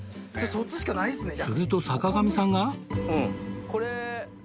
すると坂上さんが